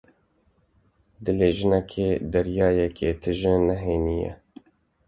Dilê jinekê deryayeke tije nihênî ye.